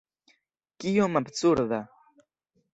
Kiom absurda!